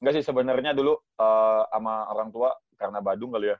gak sih sebenarnya dulu sama orang tua karena badung kali ya